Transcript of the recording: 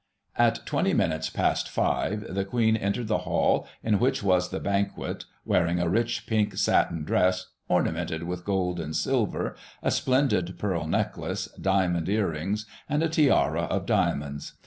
At 20 minutes past 5 the Queen entered the Hall, in which was the banquet, wearing a rich pink satin dress, ornamented with gold and silver, a splendid pearl necklace, diamond ear rings, and a tiara of diamonds.